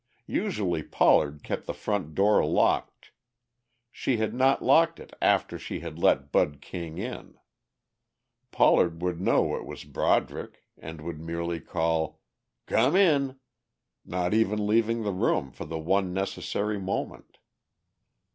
Usually Pollard kept the front door locked; she had not locked it after she had let Bud King in. Pollard would know it was Broderick and would merely call, "Come in," not even leaving the room for the one necessary moment.